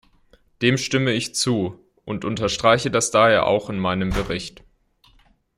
Dem stimme ich zu, und unterstreiche das daher auch in meinem Bericht.